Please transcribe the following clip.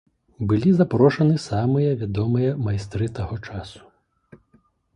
Былі запрошаны самыя вядомыя майстры таго часу.